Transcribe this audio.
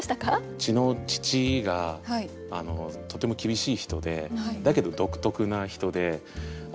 うちの父がとても厳しい人でだけど独特な人で。